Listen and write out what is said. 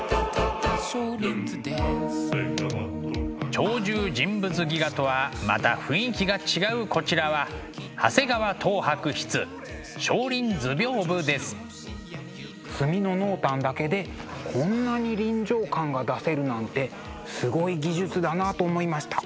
「鳥獣人物戯画」とはまた雰囲気が違うこちらは墨の濃淡だけでこんなに臨場感が出せるなんてすごい技術だなと思いました。